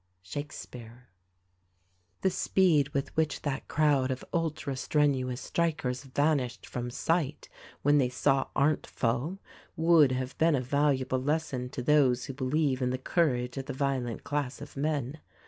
— Shakespeare. The speed with which that crowd of ultra strenuous strikers vanished from sight when they saw Arndt fall would have been a valuable lesson to those who believe in the courage of the violent class of men.